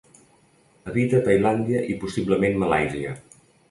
Habita a Tailàndia i possiblement Malàisia.